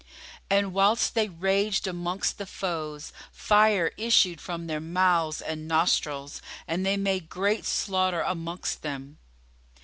and whilst they raged amongst the foes, fire issued from their mouths and nostrils, and they made great slaughter amongst them.